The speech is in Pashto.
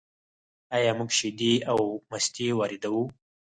آیا موږ شیدې او مستې واردوو؟